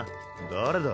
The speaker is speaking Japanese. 誰だ？